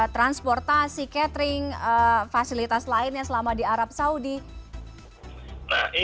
transportasi catering fasilitas lainnya selama di arab saudi